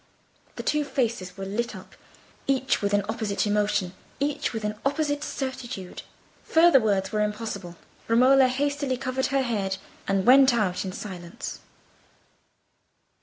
The two faces were lit up, each with an opposite emotion, each with an opposite certitude. Further words were impossible. Romola hastily covered her head and went out in silence.